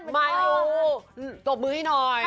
มายูตบมือให้หน่อย